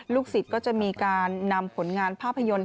ศิษย์ก็จะมีการนำผลงานภาพยนตร์